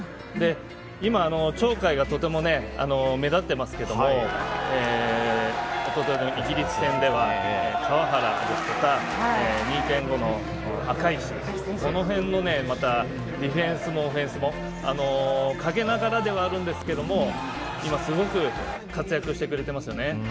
鳥海がとても目立っていますけど、イギリス戦では川原ですとか、２．５の赤石、このへんのディフェンスもオフェンスも陰ながらではあるんですけれど、今すごく活躍してくれていますよね。